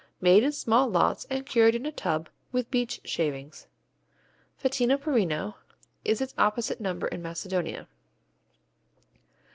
Made in small lots and cured in a tub with beech shavings. Ftinoporino is its opposite number in Macedonia.